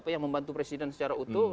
yang membantu presiden secara utuh